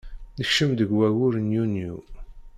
Nekcem deg waggur n yunyu.